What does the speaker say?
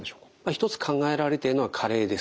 一つ考えられているのは加齢です。